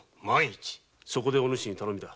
そこでお主に頼みだ。